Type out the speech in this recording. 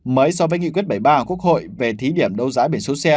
mới so với nghị quyết bảy mươi ba của quốc hội về thí điểm đấu giá biển số xe